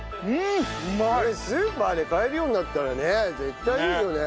これスーパーで買えるようになったらね絶対いいよね。